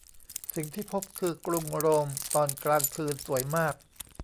สิ่งที่พบคือกรุงโรมตอนกลางคืนสวยมาก